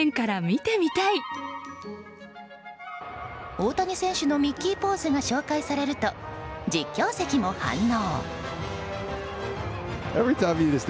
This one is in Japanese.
大谷選手のミッキーポーズが紹介されると実況席も反応。